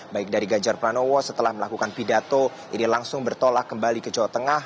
baik dari ganjar pranowo setelah melakukan pidato ini langsung bertolak kembali ke jawa tengah